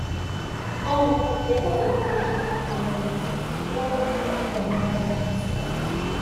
Anda teddiḍ ad yeddu yid-k lexyal-nsen, ma mmuten ad d-kkren warraw-nsen.